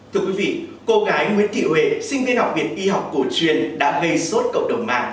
thưa quý vị cô gái nguyễn thị huệ sinh viên học viện y học cổ truyền đã gây sốt cộng đồng mạng